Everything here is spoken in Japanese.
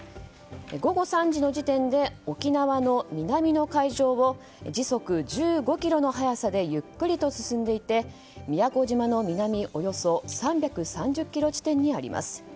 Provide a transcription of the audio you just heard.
午後３時の時点で沖縄の南の海上を時速１５キロの速さでゆっくりと進んでいて宮古島の南およそ３３０ｋｍ地点にあります。